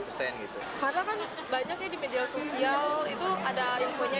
karena kan banyaknya di media sosial itu ada infonya